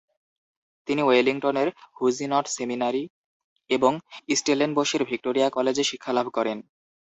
তিনি ওয়েলিংটনের হুজিনট সেমিনারি এবং স্টেলেনবোশের ভিক্টোরিয়া কলেজে শিক্ষালাভ করেন।